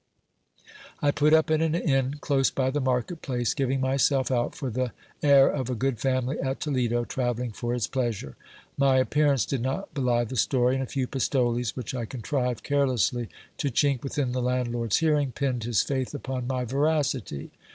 I put up at an inn close by the market place, giving myself out for the heir of a good family at Toledo, travelling for his pleasure. My appearance did not belie the story, and a few pistoles, which I contrived carelessly to chink within the landlord's hearing, pinned his faith upon my veracity.